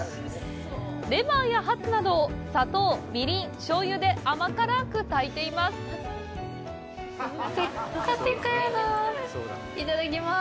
レバーやハツなどを、砂糖、みりん、醤油で甘辛く炊いています。